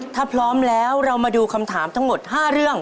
ถ้าพร้อมแล้วเรามาดูคำถามทั้งหมด๕เรื่อง